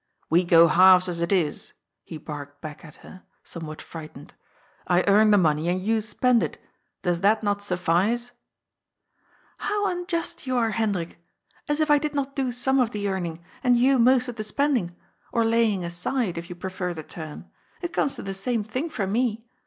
^ We go halves, as it is," he barked back at her, some what frightened. ^'I earn the money and you spend it; does that not suffice ?"" How unjust you are,*Hendrik ! As if I did not do some of the earning, and you most of the spending — or lay ing aside, if you prefer the term. It comes to the same thing for me.